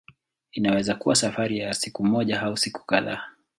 Inaweza kuwa safari ya siku moja au siku kadhaa.